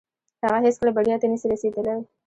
هغه هيڅکه بريا ته نسي رسيدلاي.